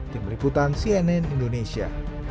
tim berikutan cnn indonesia